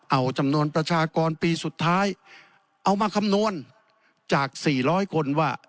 เอาจำนวนประชากรปีสุดท้ายเอามาคำนวณจาก๔๐๐คนว่า